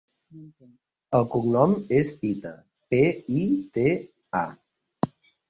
El cognom és Pita: pe, i, te, a.